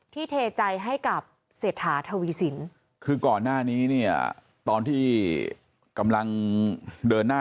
เทใจให้กับเศรษฐาทวีสินคือก่อนหน้านี้เนี่ยตอนที่กำลังเดินหน้า